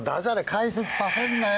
解説させんなよ。